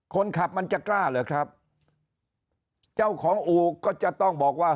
คนขับมันจะกล้าเหรอครับเจ้าของอู่ก็จะต้องบอกว่า